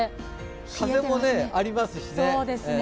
風もありますしね。